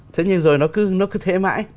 thế nhưng rồi nó cứ nó cứ thế mà